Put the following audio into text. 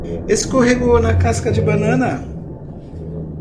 Escorregou na casca de banana